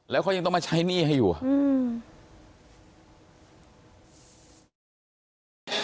แล้วเขายังต้องมาใช้หนี้ให้อยู่อ่ะอืม